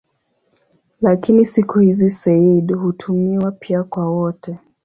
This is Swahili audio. Lakini siku hizi "sayyid" hutumiwa pia kwa wote.